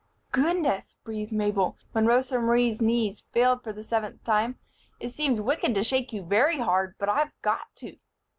"Goodness!" breathed Mabel, when Rosa Marie's knees failed for the seventh time, "it seems wicked to shake you very hard, but I've got to."